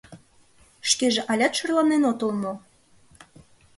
— Шкеже алят шӧрлен отыл мо?